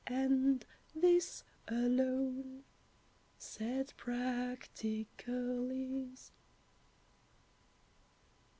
And this alone," said practical Is.